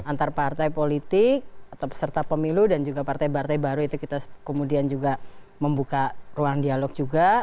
antar partai politik atau peserta pemilu dan juga partai partai baru itu kita kemudian juga membuka ruang dialog juga